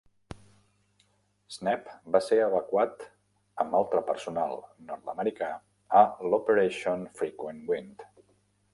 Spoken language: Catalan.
Snepp va ser evacuat amb altre personal nord-americà a l'Operation Frequent Wind.